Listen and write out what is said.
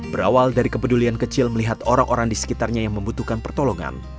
berawal dari kepedulian kecil melihat orang orang di sekitarnya yang membutuhkan pertolongan